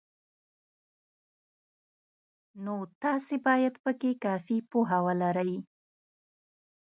نو تاسې باید پکې کافي پوهه ولرئ.